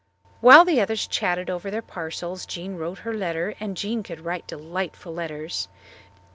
While the others chatted over their parcels Jean wrote her letter, and Jean could write delightful letters.